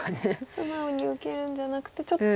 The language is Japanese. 素直に受けるんじゃなくてちょっと工夫して。